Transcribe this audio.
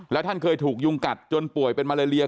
แล้วท่านเคยถูกยุงกัดจนป่วยเป็นมาเลเลีย